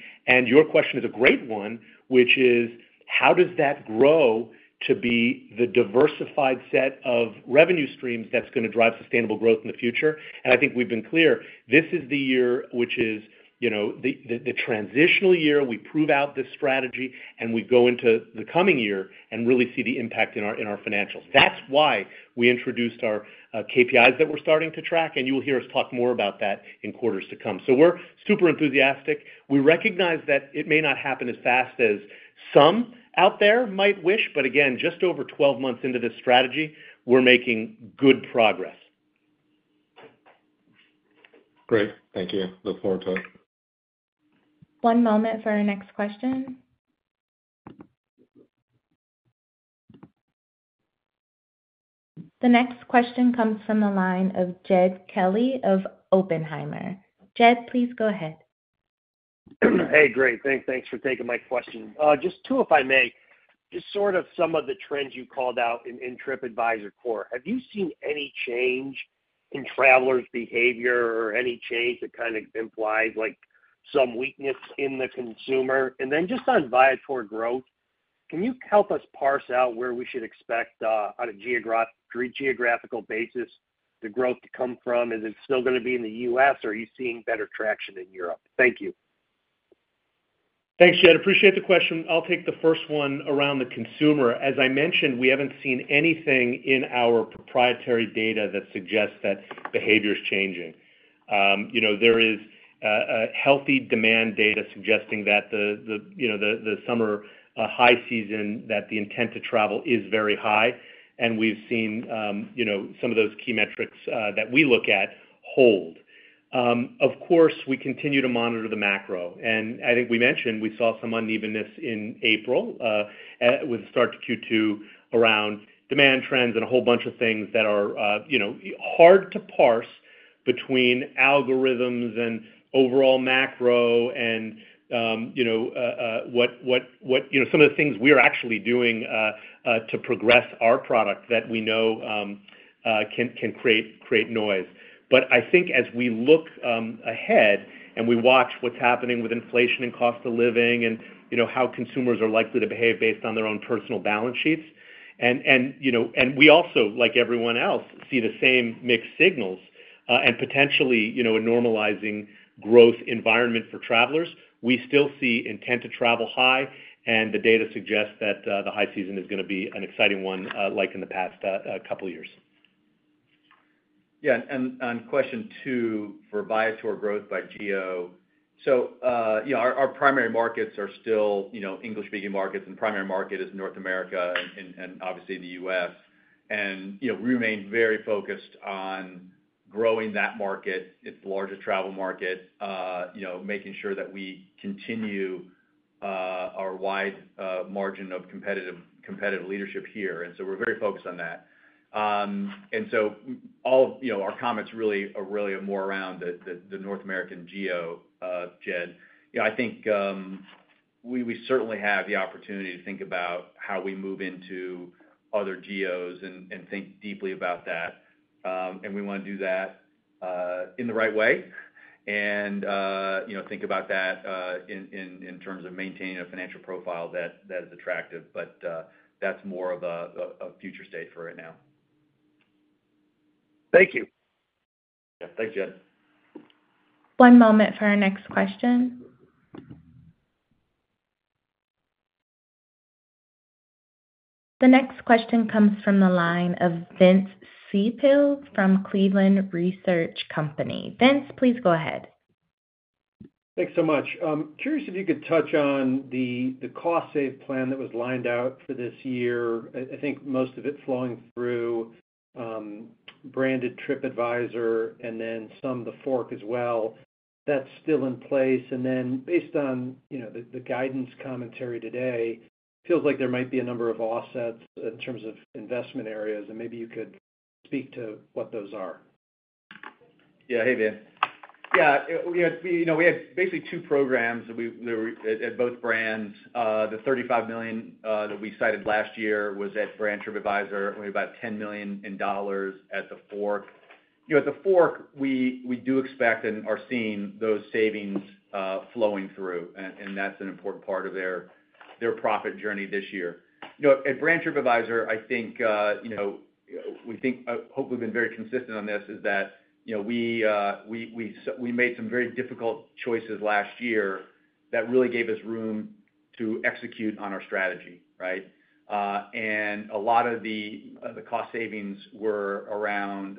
Your question is a great one, which is, how does that grow to be the diversified set of revenue streams that's going to drive sustainable growth in the future? I think we've been clear. This is the year, which is the transitional year. We prove out this strategy, and we go into the coming year and really see the impact in our financials. That's why we introduced our KPIs that we're starting to track, and you'll hear us talk more about that in quarters to come. So we're super enthusiastic. We recognize that it may not happen as fast as some out there might wish, but again, just over 12 months into this strategy, we're making good progress. Great. Thank you. Look forward to it. One moment for our next question. The next question comes from the line of Jed Kelly of Oppenheimer. Jed, please go ahead. Hey, great. Thanks for taking my question. Just two, if I may, just sort of some of the trends you called out in Tripadvisor Core. Have you seen any change in travelers' behavior or any change that kind of implies some weakness in the consumer? And then just on Viator growth, can you help us parse out where we should expect on a geographical basis the growth to come from? Is it still going to be in the U.S., or are you seeing better traction in Europe? Thank you. Thanks, Jed. Appreciate the question. I'll take the first one around the consumer. As I mentioned, we haven't seen anything in our proprietary data that suggests that behavior is changing. There is healthy demand data suggesting that the summer high season, that the intent to travel is very high, and we've seen some of those key metrics that we look at hold. Of course, we continue to monitor the macro. I think we mentioned we saw some unevenness in April with the start to Q2 around demand trends and a whole bunch of things that are hard to parse between algorithms and overall macro and what some of the things we're actually doing to progress our product that we know can create noise. But I think as we look ahead and we watch what's happening with inflation and cost of living and how consumers are likely to behave based on their own personal balance sheets, and we also, like everyone else, see the same mixed signals and potentially a normalizing growth environment for travelers, we still see intent to travel high, and the data suggests that the high season is going to be an exciting one like in the past couple of years. Yeah. And question two for Viator growth by geo. So our primary markets are still English-speaking markets, and the primary market is North America and obviously the US. And we remain very focused on growing that market, its larger travel market, making sure that we continue our wide margin of competitive leadership here. And so we're very focused on that. All of our comments really are really more around the North American geo, Jed. I think we certainly have the opportunity to think about how we move into other geos and think deeply about that. We want to do that in the right way and think about that in terms of maintaining a financial profile that is attractive. But that's more of a future state for right now. Thank you. Yeah. Thanks, Jed. One moment for our next question. The next question comes from the line of Vince Ciepiel from Cleveland Research Company. Vince, please go ahead. Thanks so much. Curious if you could touch on the cost-save plan that was lined out for this year. I think most of it flowing through branded Tripadvisor and then some of TheFork as well. That's still in place. And then based on the guidance commentary today, it feels like there might be a number of offsets in terms of investment areas, and maybe you could speak to what those are. Yeah. Hey, Vin. Yeah. We had basically two programs at both brands. The $35 million that we cited last year was at Liberty TripAdvisor. We had about $10 million at TheFork. At TheFork, we do expect and are seeing those savings flowing through, and that's an important part of their profit journey this year. At Liberty TripAdvisor, I think we think hopefully we've been very consistent on this is that we made some very difficult choices last year that really gave us room to execute on our strategy, right? And a lot of the cost savings were around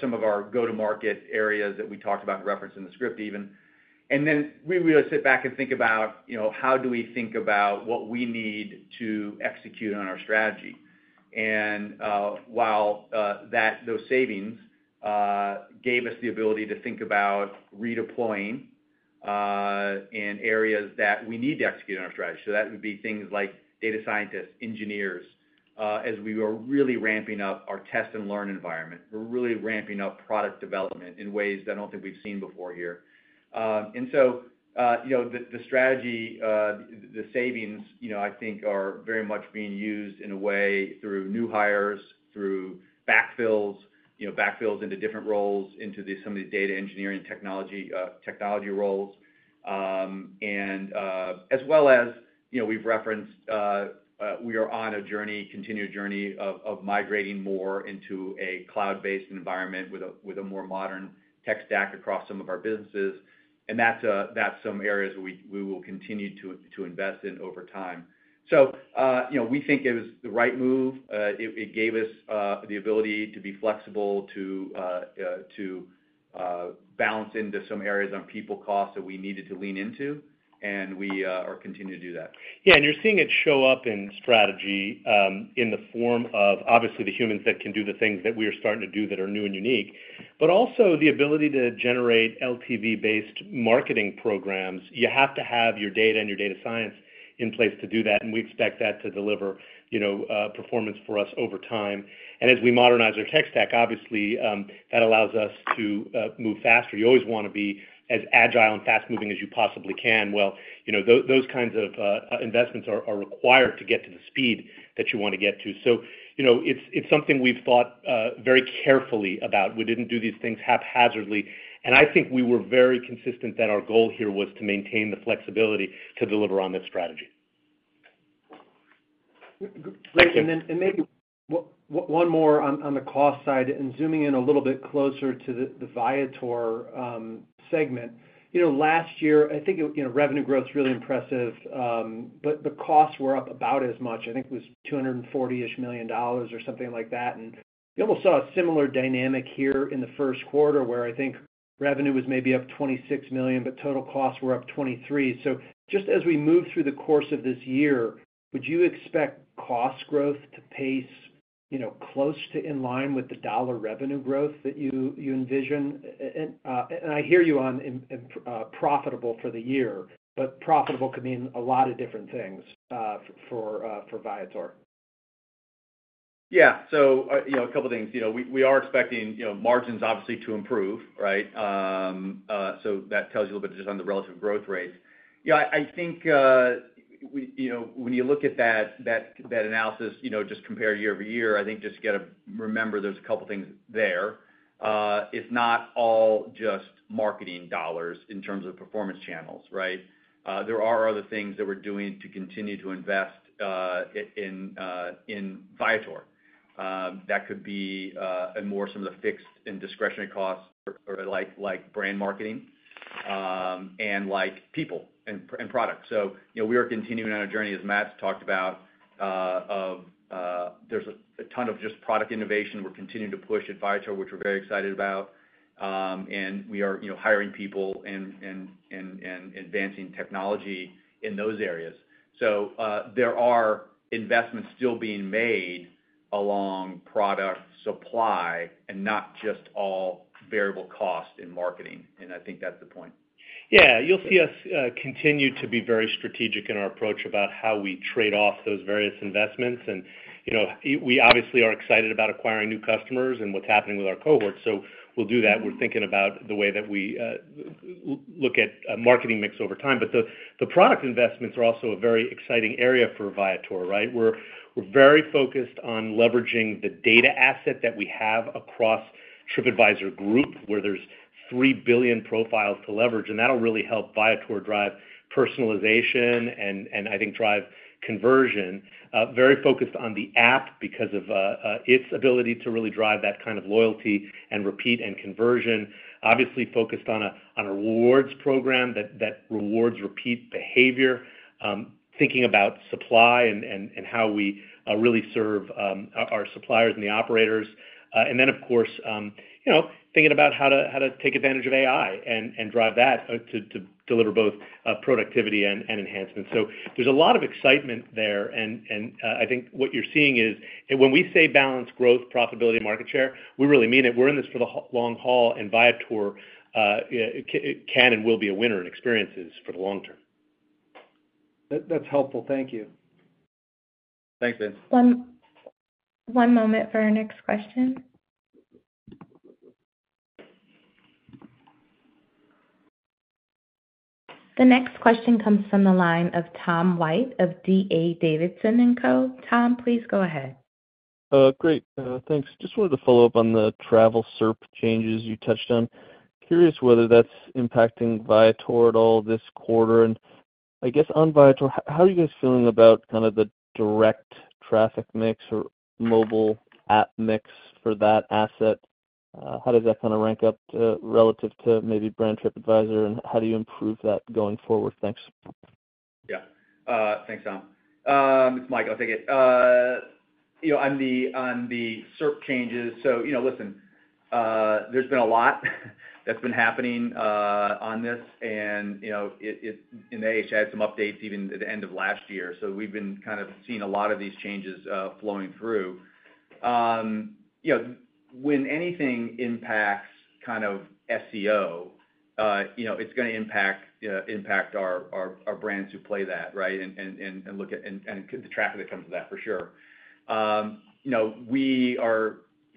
some of our go-to-market areas that we talked about and referenced in the script even. And then we really sit back and think about how do we think about what we need to execute on our strategy? And while those savings gave us the ability to think about redeploying in areas that we need to execute on our strategy, so that would be things like data scientists, engineers, as we were really ramping up our test and learn environment. We're really ramping up product development in ways that I don't think we've seen before here. And so the strategy, the savings, I think are very much being used in a way through new hires, through backfills, backfills into different roles, into some of the data engineering and technology roles, as well as we've referenced we are on a continued journey of migrating more into a cloud-based environment with a more modern tech stack across some of our businesses. And that's some areas where we will continue to invest in over time. So we think it was the right move. It gave us the ability to be flexible to balance into some areas on people costs that we needed to lean into, and we are continuing to do that. Yeah. And you're seeing it show up in strategy in the form of, obviously, the humans that can do the things that we are starting to do that are new and unique, but also the ability to generate LTV-based marketing programs. You have to have your data and your data science in place to do that, and we expect that to deliver performance for us over time. And as we modernize our tech stack, obviously, that allows us to move faster. You always want to be as agile and fast-moving as you possibly can. Well, those kinds of investments are required to get to the speed that you want to get to. So it's something we've thought very carefully about. We didn't do these things haphazardly. I think we were very consistent that our goal here was to maintain the flexibility to deliver on this strategy. Great. And maybe one more on the cost side and zooming in a little bit closer to the Viator segment. Last year, I think revenue growth was really impressive, but the costs were up about as much. I think it was $240-ish million or something like that. And we almost saw a similar dynamic here in the Q1 where I think revenue was maybe up $26 million, but total costs were up $23 million. So just as we move through the course of this year, would you expect cost growth to pace close to in line with the dollar revenue growth that you envision? And I hear you on profitable for the year, but profitable could mean a lot of different things for Viator. Yeah. So a couple of things. We are expecting margins, obviously, to improve, right? So that tells you a little bit just on the relative growth rates. I think when you look at that analysis, just compare year-over-year, I think just remember there's a couple of things there. It's not all just marketing dollars in terms of performance channels, right? There are other things that we're doing to continue to invest in Viator. That could be more some of the fixed and discretionary costs like brand marketing and people and products. So we are continuing on a journey, as Matt's talked about, of there's a ton of just product innovation. We're continuing to push at Viator, which we're very excited about. And we are hiring people and advancing technology in those areas. So there are investments still being made along product supply and not just all variable cost in marketing. I think that's the point. Yeah. You'll see us continue to be very strategic in our approach about how we trade off those various investments. We obviously are excited about acquiring new customers and what's happening with our cohort. We'll do that. We're thinking about the way that we look at marketing mix over time. But the product investments are also a very exciting area for Viator, right? We're very focused on leveraging the data asset that we have across Tripadvisor Group, where there's 3 billion profiles to leverage, and that'll really help Viator drive personalization and, I think, drive conversion. Very focused on the app because of its ability to really drive that kind of loyalty and repeat and conversion. Obviously, focused on a rewards program that rewards repeat behavior, thinking about supply and how we really serve our suppliers and the operators. And then, of course, thinking about how to take advantage of AI and drive that to deliver both productivity and enhancement. So there's a lot of excitement there. And I think what you're seeing is when we say balanced growth, profitability, and market share, we really mean it. We're in this for the long haul, and Viator can and will be a winner in experiences for the long term. That's helpful. Thank you. Thanks, Vince. One moment for our next question. The next question comes from the line of Tom White of D.A. Davidson & Co. Tom, please go ahead. Great. Thanks. Just wanted to follow up on the travel SERP changes you touched on. Curious whether that's impacting Viator at all this quarter. And I guess on Viator, how are you guys feeling about kind of the direct traffic mix or mobile app mix for that asset? How does that kind of rank up relative to maybe Brand Tripadvisor, and how do you improve that going forward? Thanks. Yeah. Thanks, Tom. It's Mike. I'll take it. On the SERP changes, so listen, there's been a lot that's been happening on this. And I had some updates even at the end of last year. So we've been kind of seeing a lot of these changes flowing through. When anything impacts kind of SEO, it's going to impact our brands who play that, right, and look at the traffic that comes to that for sure. We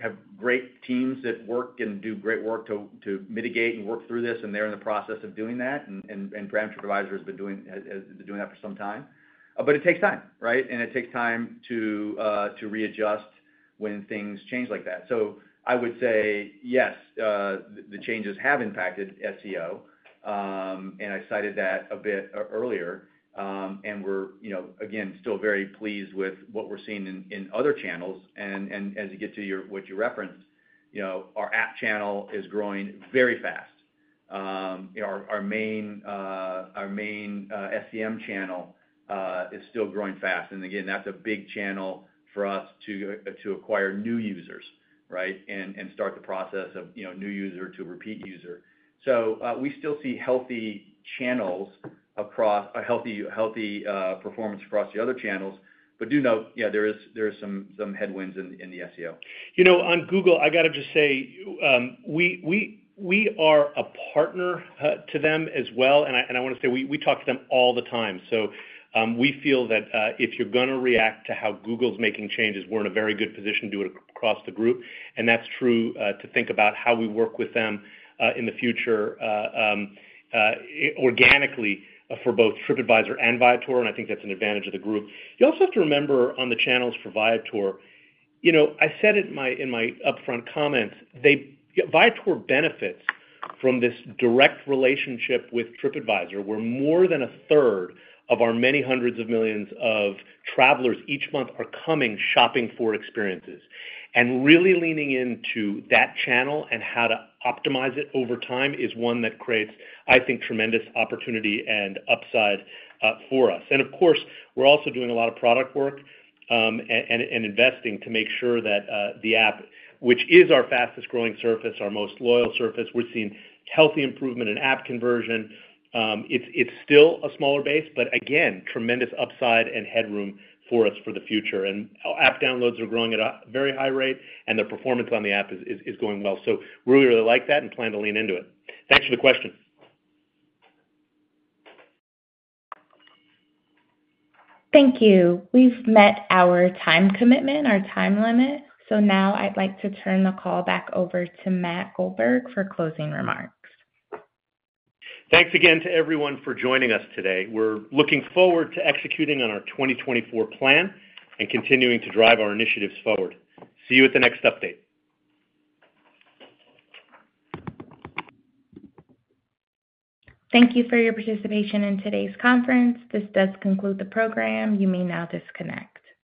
have great teams that work and do great work to mitigate and work through this, and they're in the process of doing that. And the Tripadvisor brand has been doing that for some time. But it takes time, right? And it takes time to readjust when things change like that. So I would say, yes, the changes have impacted SEO, and I cited that a bit earlier. And we're, again, still very pleased with what we're seeing in other channels. And as you get to what you referenced, our app channel is growing very fast. Our main SEM channel is still growing fast. And again, that's a big channel for us to acquire new users, right, and start the process of new user to repeat user. So we still see healthy channels across healthy performance across the other channels. But do note, yeah, there are some headwinds in the SEO. On Google, I got to just say we are a partner to them as well. And I want to say we talk to them all the time. So we feel that if you're going to react to how Google's making changes, we're in a very good position to do it across the group. And that's true to think about how we work with them in the future organically for both Tripadvisor and Viator. And I think that's an advantage of the group. You also have to remember on the channels for Viator. I said it in my upfront comments. Viator benefits from this direct relationship with Tripadvisor, where more than a third of our many hundreds of millions of travelers each month are coming shopping for experiences. And really leaning into that channel and how to optimize it over time is one that creates, I think, tremendous opportunity and upside for us. And of course, we're also doing a lot of product work and investing to make sure that the app, which is our fastest-growing surface, our most loyal surface, we're seeing healthy improvement in app conversion. It's still a smaller base, but again, tremendous upside and headroom for us for the future. App downloads are growing at a very high rate, and the performance on the app is going well. We really, really like that and plan to lean into it. Thanks for the question. Thank you. We've met our time commitment, our time limit. So now I'd like to turn the call back over to Matt Goldberg for closing remarks. Thanks again to everyone for joining us today. We're looking forward to executing on our 2024 plan and continuing to drive our initiatives forward. See you at the next update. Thank you for your participation in today's conference. This does conclude the program. You may now disconnect.